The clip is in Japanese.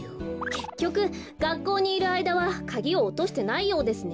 けっきょくがっこうにいるあいだはカギをおとしてないようですね。